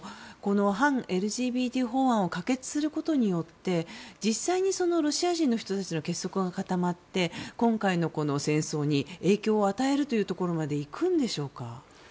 反ＬＧＢＴ法案を可決することによって実際にロシア人たちの結束が固まって、今回の戦争に影響を与えるというところまで行くんでしょうか？